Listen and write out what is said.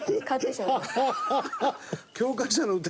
ハハハハ！